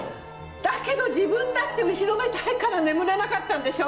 だけど自分だって後ろめたいから眠れなかったんでしょ！